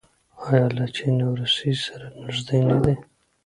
آیا له چین او روسیې سره نږدې نه دي؟